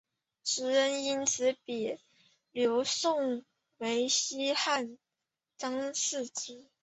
时人因此比刘颂为西汉张释之。